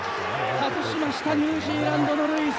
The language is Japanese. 外しましたニュージーランドのルイス。